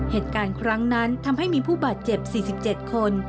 เหตุการณ์ครั้งนั้นทำให้มีผู้บาดเจ็บ๔๗คน